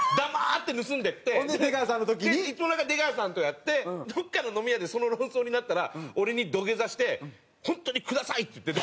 いつの間にか出川さんとやってどっかの飲み屋でその論争になったら俺に土下座して「ホントにください」って。